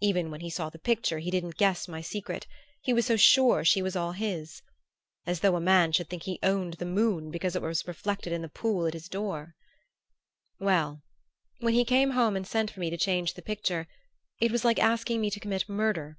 Even when he saw the picture he didn't guess my secret he was so sure she was all his! As though a man should think he owned the moon because it was reflected in the pool at his door "Well when he came home and sent for me to change the picture it was like asking me to commit murder.